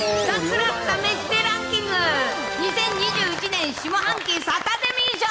２０２１年下半期サタデミー賞。